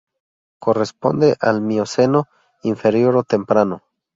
Corresponde al Mioceno inferior o temprano.